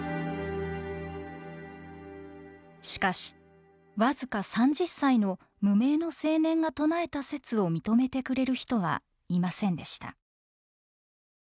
しかし僅か３０歳の無名の青年が唱えた説を認めてくれる人はいませんでした。